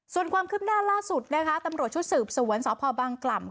ส่วนความคืบหน้าล่าสุดนะคะตำรวจชุดสืบสวนสพบางกล่ำ